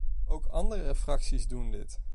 Ook andere fracties doen dit.